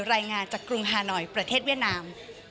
รายงานจากกรุงฮานอยประเทศเวียดนาม